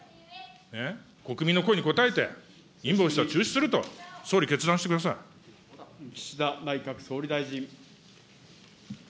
国民の声に応えて、インボイスは中止すると、岸田内閣総理大臣。